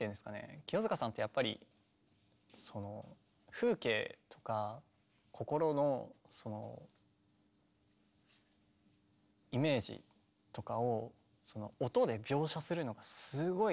清塚さんってやっぱりその風景とか心のそのイメージとかを音で描写するのがすごいお上手だと思ってて。